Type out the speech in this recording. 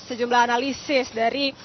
sejumlah analisis dari